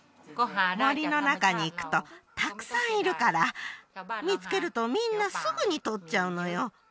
森の中に行くとたくさんいるから見つけるとみんなすぐに捕っちゃうのよ